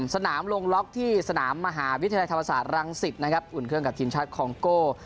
สนามลงล็อกที่สนามมหาวิทยาลัยธรรมศาสตรังสิตนะครับอุ่นเครื่องกับทีมชาติคองโก้